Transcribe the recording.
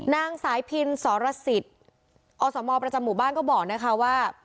นางสายพินสรสิทธิ์อสมประจำหมู่บ้านก็บอกนะคะว่า